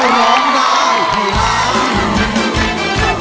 ร้องได้ให้ล้าน